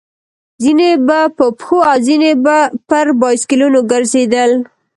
ځينې به په پښو او ځينې پر بایسکلونو ګرځېدل.